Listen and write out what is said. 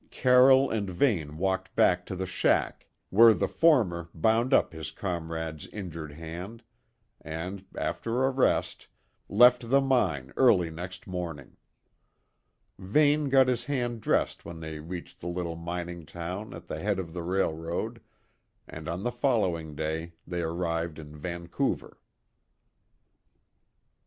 Carroll and Vane walked back to the shack, where the former bound up his comrade's injured hand, and, after a rest, left the mine early next morning. Vane got his hand dressed when they reached the little mining town at the head of the railroad, and on the following day they arrived in Vancouver.